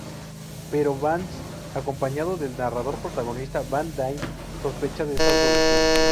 Pero Vance, acompañado del narrador protagonista Van Dine, sospechan de esta solución.